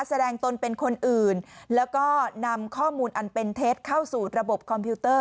ตนเป็นคนอื่นแล้วก็นำข้อมูลอันเป็นเท็จเข้าสู่ระบบคอมพิวเตอร์